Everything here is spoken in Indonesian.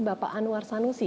bapak anwar sanusi